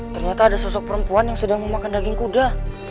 ternyata ada sosok perempuan yang sedang memakan daging kuda